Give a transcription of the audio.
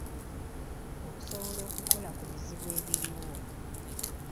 Okusobola okukola ku bizibu ebiriwo.